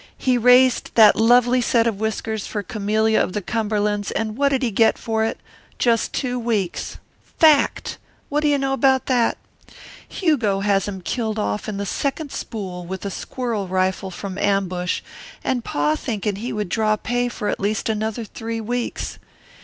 He raised that lovely set of whiskers for Camillia of the Cumberlands and what did he get for it? just two weeks. Fact! What do you know about that? Hugo has him killed off in the second spool with a squirrel rifle from ambush, and Pa thinking he would draw pay for at least another three weeks.